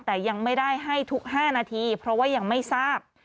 แต่ยังไม่ได้ให้ทุก๕นาทีเพราะว่ายังไม่ทราบ